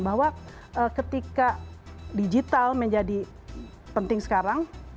bahwa ketika digital menjadi penting sekarang